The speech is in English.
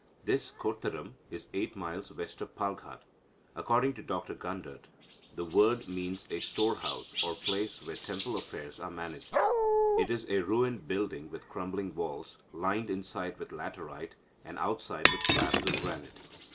This Kottaram is eight miles west of Palghat. According to Dr Gundert, the word means a store house, or place where temple affairs are managed. It is a ruined building with crumbling walls, lined inside with laterite, and outside with slabs of granite.